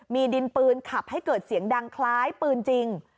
มีดินปืนขับให้เกิดเสียงดังคล้ายปืนจริง